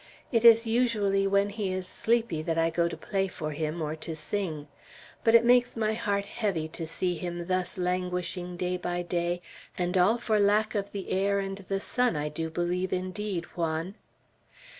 "It is usually when he is sleepy that I go to play for him or to sing. But it makes my heart heavy to see him thus languishing day by day, and all for lack of the air and the sun, I do believe, indeed, Juan."